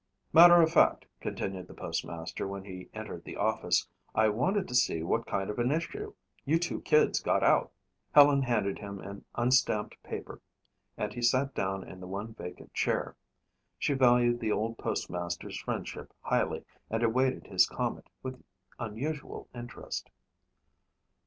"Matter of fact," continued the postmaster when he entered the office, "I wanted to see what kind of an issue you two kids got out." Helen handed him an unstamped paper and he sat down in the one vacant chair. She valued the old postmaster's friendship highly and awaited his comment with unusual interest.